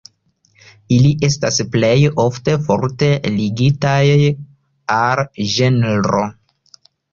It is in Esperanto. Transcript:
Ili estas plej ofte forte ligitaj al ĝenro.